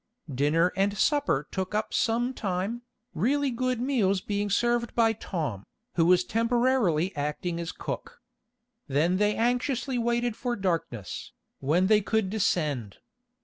Dinner and supper took up some time, really good meals being served by Tom, who was temporarily acting as cook. Then they anxiously waited for darkness, when they could descend.